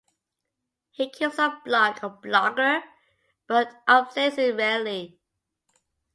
He keeps a blog on Blogger, but updates it rarely.